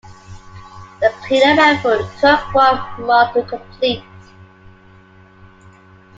The cleanup effort took one month to complete.